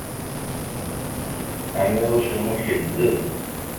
Ɛmiṛuc U Muḥ ibeddel.